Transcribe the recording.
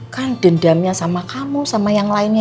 kan dendamnya sama kamu sama yang lainnya